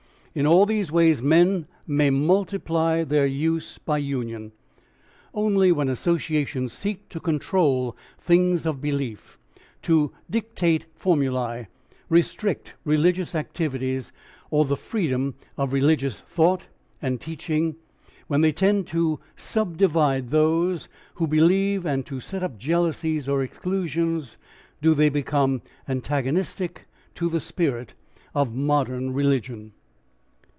In all these ways men may multiply their use by union. Only when associations seek to control things of belief, to dictate formulae, restrict religious activities or the freedom of religious thought and teaching, when they tend to subdivide those who believe and to set up jealousies or exclusions, do they become antagonistic to the spirit of modern religion.